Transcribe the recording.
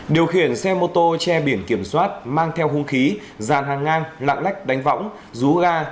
điều khiển xe mô tô che biển kiểm soát mang theo hung khí giàn hàng ngang lạng lách đánh võng rú ga